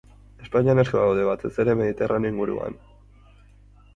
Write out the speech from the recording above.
Espainian asko daude, batez ere Mediterraneo inguruan.